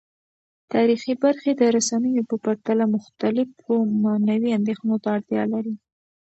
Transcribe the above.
تاریخي برخې د رسنیو په پرتله مختلفو معنوي اندیښنو ته اړتیا لري.